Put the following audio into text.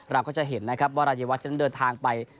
เราก็จะเห็นนะครับว่ารายวัชนั้นเดินทางไป